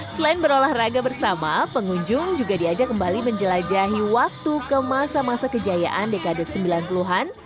selain berolahraga bersama pengunjung juga diajak kembali menjelajahi waktu ke masa masa kejayaan dekade sembilan puluh an